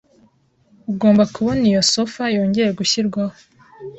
Ugomba kubona iyo sofa yongeye gushyirwaho.